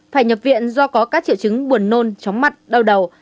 phải nhập viện do có các triệu chứng buồn nôn chóng mặt đau đầu